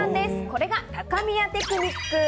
これが高宮テクニック。